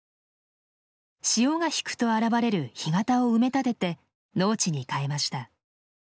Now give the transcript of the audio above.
潮が引くと現れる干潟を埋め立てて農地に変えました。